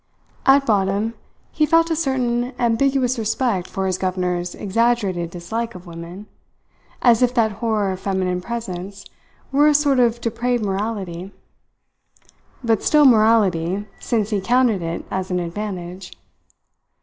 At bottom, he felt a certain ambiguous respect for his governor's exaggerated dislike of women, as if that horror of feminine presence were a sort of depraved morality; but still morality, since he counted it as an advantage.